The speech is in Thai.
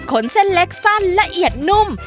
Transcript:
เส้นเล็กสั้นละเอียดนุ่ม